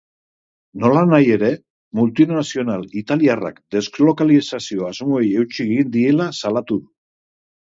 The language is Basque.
Nolanahi ere, multinazional italiarrak deslokalizazio asmoei eutsi egin diela salatu du.